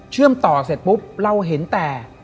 เชื่อมต่อเสร็จปุ๊บเราเห็นแต่